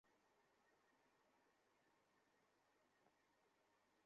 তারপরেই ঘরে ঢুকতে পারবে।